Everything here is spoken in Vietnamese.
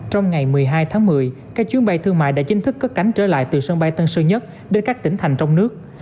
trong ngày một mươi hai tháng một mươi các chuyến bay thương mại đã chính thức cất cánh trở lại từ sân bay tân sơn nhất đến các tỉnh thành trong nước